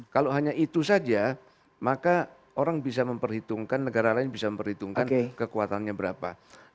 kalau hanya itu saja maka orang bisa memperhitungkan negara lain bisa memperhitungkan kekuatannya berapa